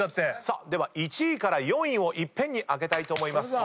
では１位から４位をいっぺんに開けたいと思います。